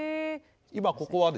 今ここはですね